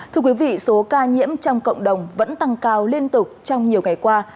thưa quý vị số ca nhiễm trong cộng đồng vẫn tăng cao liên tục trong nhiều ngày qua